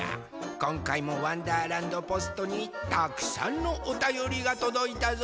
こんかいも「わんだーらんどポスト」にたくさんのおたよりがとどいたぞ。